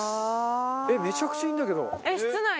えっめちゃくちゃいいんだけど。